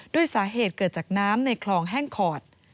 ด้วยสาเหตุเกิดจากน้ำในคลองแห้งขอด